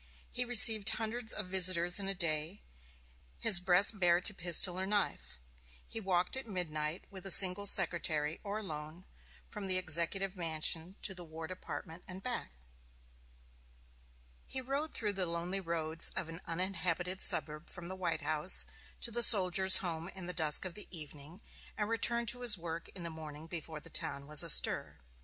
He received hundreds of visitors in a day, his breast bare to pistol or knife. He walked at midnight, with a single secretary, or alone, from the Executive Mansion to the War Department and back. He rode through the lonely roads of an uninhabited suburb from the White House to the Soldiers' Home in the dusk of the evening, and returned to his work in the morning before the town was astir.